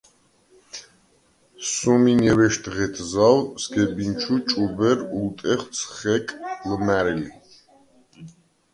სუმინჲერვეშდ ღეთ ზავ სგებინჩუ ჭუბერ ულტეხვ ცხელ ლჷმა̈რელი.